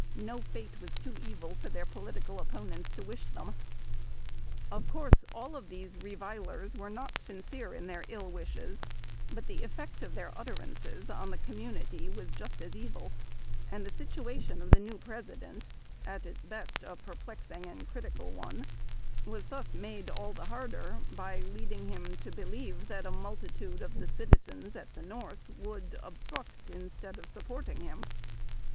No fate was too evil for their political opponents to wish them. Of course all of these revilers were not sincere in their ill wishes, but the effect of their utterances on the commu nity was just as evil ; and the situation of the new President, at its best a perplexing and critical one, was thus made all the harder, by leading him to believe that a multi tude of the citizens at the North would obstruct in stead of supporting him.